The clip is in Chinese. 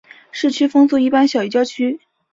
市区风速一般小于郊区。